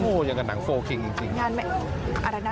โอ้อย่างกับหนังโฟล์คิงจริง